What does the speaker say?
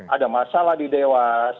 ada masalah di dewas